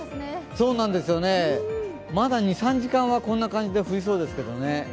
そうなんですよね、まだ２３時間はこんな感じで降りそうですけどね。